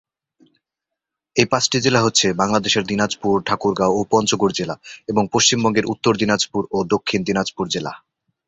এই পাঁচটি জেলা হচ্ছে বাংলাদেশের দিনাজপুর, ঠাকুরগাঁও ও পঞ্চগড় জেলা এবং পশ্চিমবঙ্গের উত্তর দিনাজপুর ও দক্ষিণ দিনাজপুর জেলা।